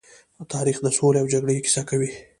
تاریخ د سولې او جګړې کيسه کوي.